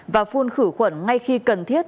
và phun khử khuẩn ngay khi cần thiết